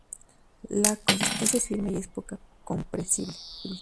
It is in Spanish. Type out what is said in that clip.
La consistencia es firme y es poco compresible.